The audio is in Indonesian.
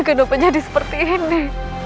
kenapa jadi seperti ini